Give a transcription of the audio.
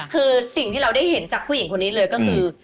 คือสิ่งที่เราได้เห็นจากผู้หญิงคนนี้เลยก็คือ